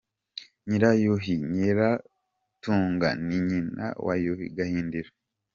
Nyirayuhi Nyiratunga ni nyina wa Yuhi Gahindiro.